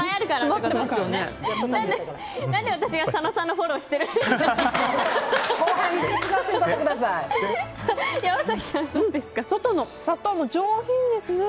何で私が佐野さんのフォローしてるんですかね。